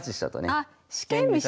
あっ四間飛車。